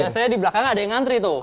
saya di belakang ada yang ngantri tuh